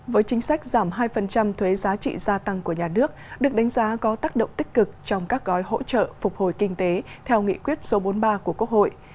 với chính sách giảm hai thuế giá trị gia tăng của nhà nước được đánh giá có tác động tích cực trong các gói hỗ trợ phục hồi kinh tế theo nghị quyết số bốn mươi ba của quốc hội